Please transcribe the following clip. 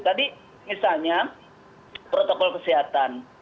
tapi misalnya protokol kesehatan